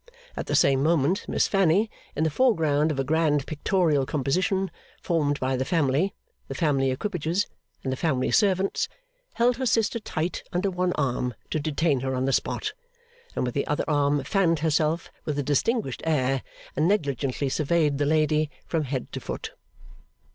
At the same moment, Miss Fanny, in the foreground of a grand pictorial composition, formed by the family, the family equipages, and the family servants, held her sister tight under one arm to detain her on the spot, and with the other arm fanned herself with a distinguished air, and negligently surveyed the lady from head to foot.